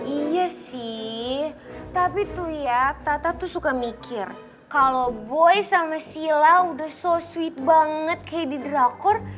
iya sih tapi tuh ya tata tuh suka mikir kalau boy sama sila udah societ banget kayak di drakor